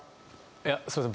いやすいません